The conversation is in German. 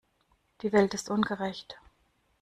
Die Welt ist ungerecht.